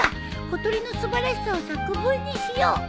小鳥の素晴らしさを作文にしよう。